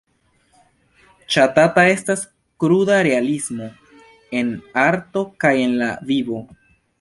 Ŝatata estas kruda realismo, en arto kaj en la vivo.